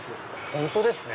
本当ですね